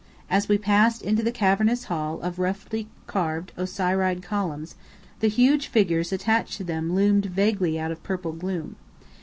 As we passed into the cavernous hall of roughly carved Osiride columns, the huge figures attached to them loomed vaguely out of purple gloom.